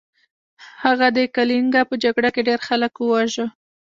هغه د کلینګا په جګړه کې ډیر خلک وواژه.